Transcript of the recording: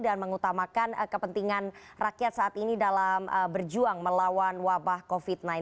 mengutamakan kepentingan rakyat saat ini dalam berjuang melawan wabah covid sembilan belas